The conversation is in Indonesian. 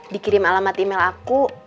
dikirim alamat email aku